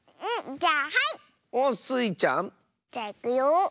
じゃいくよ。